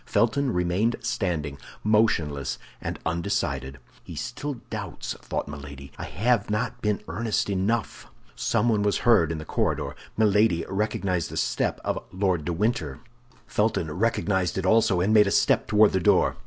Felton remained standing, motionless and undecided. "He still doubts," thought Milady; "I have not been earnest enough." Someone was heard in the corridor; Milady recognized the step of Lord de Winter. Felton recognized it also, and made a step toward the door.